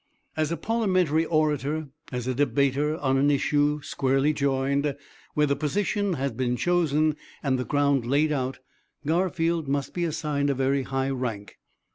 "As a parliamentary orator, as a debater on an issue squarely joined, where the position had been chosen and the ground laid out, Garfield must be assigned a very high rank.